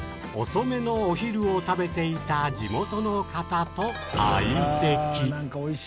遅めのお昼を食べていた地元の方と相席。